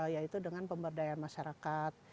yaitu dengan pemberdayaan masyarakat